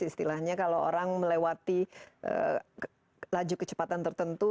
istilahnya kalau orang melewati laju kecepatan tertentu